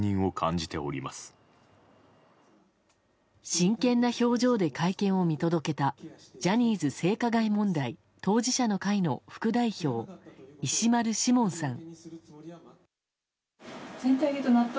真剣な表情で会見を見届けたジャニーズ性加害問題当事者の会の副代表、石丸志門さん。